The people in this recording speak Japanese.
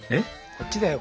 こっちだよ。